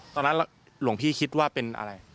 ตอนนั้นหลวงพี่คิดว่าเป็นอะไร